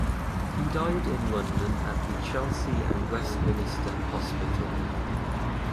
He died in London at the Chelsea and Westminster Hospital.